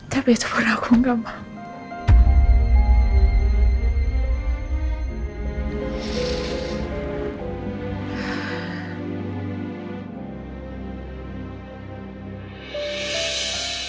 tapi itu pun aku gak mau